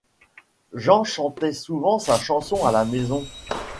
Jean chantait souvent sa chanson à la maison.